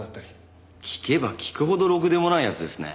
聞けば聞くほどろくでもない奴ですね。